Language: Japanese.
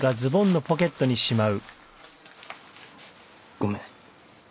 ごめん。